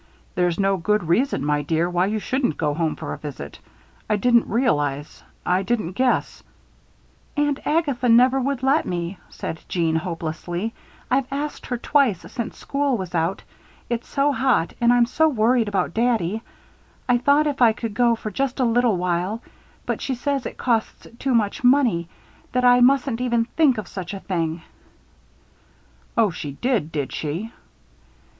"There's no good reason, my dear, why you shouldn't go home for a visit. I didn't realize, I didn't guess " "Aunt Agatha never would let me," said Jeanne, hopelessly. "I've asked her twice since school was out. It's so hot and I'm so worried about daddy. I thought if I could go for just a little while but she says it costs too much money that I mustn't even think of such a thing." "Oh, she did, did she?"